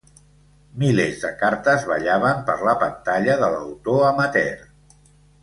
Milers de cartes ballaven per la pantalla de l'autor amateur.